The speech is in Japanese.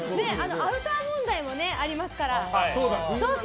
アウター問題もありますから。